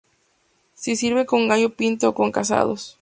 Se sirven con gallo pinto o con casados.